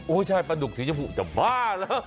ใช่ปลาดุกสีชมพูจะบ้าเหรอ